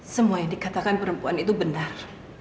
semua yang dikatakan perempuan itu benar